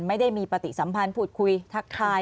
ไม่ได้มีปฏิสัมพันธ์พูดคุยทักทาย